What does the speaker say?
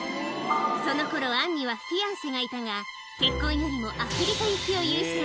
そのころ、アンにはフィアンセがいたが、結婚よりアフリカ行きを優先。